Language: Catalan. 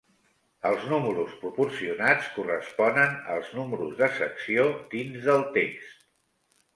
Els números proporcionats corresponen als números de secció dins del text.